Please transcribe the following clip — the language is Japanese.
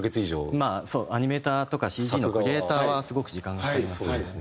まあそうアニメーターとかＣＧのクリエーターはすごく時間がかかりますよね。